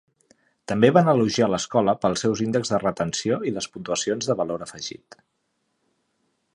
També van elogiar l'escola pels seus índex de retenció i les puntuacions de valor afegit.